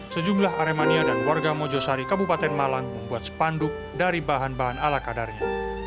sejumlah aremania dan warga mojosari kabupaten malang membuat sepanduk dari bahan bahan ala kadarnya